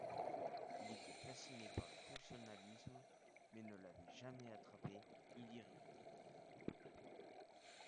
Il était fasciné par le fonctionnalisme, mais ne l'avait jamais attrapé ni dirigé.